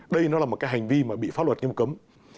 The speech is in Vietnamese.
đây là một hành vi bị pháp luật nghiêm cấm